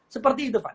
seperti itu pak